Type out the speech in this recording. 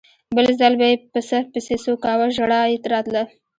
بل ځل به یې پسه پسې څو کاوه ژړا یې راتله.